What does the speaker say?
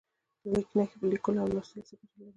لیک نښې په لیکلو او لوستلو کې څه ګټه لري؟